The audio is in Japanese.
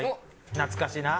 懐かしいな。